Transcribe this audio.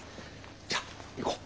じゃあ行こう。